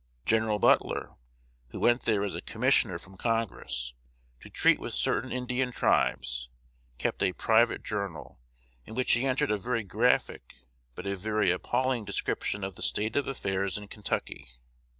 Gen. Butler, who went there as a Commissioner from Congress, to treat with certain Indian tribes, kept a private journal, in which he entered a very graphic, but a very appalling description of the state of affairs in Kentucky.